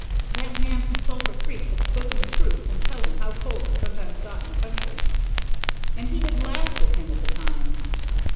That man from Sulphur Creek had spoken the truth when telling how cold it sometimes got in the country. And he had laughed at him at the time!